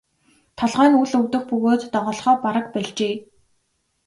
Толгой нь үл өвдөх бөгөөд доголохоо бараг больжээ.